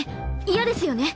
嫌ですよね！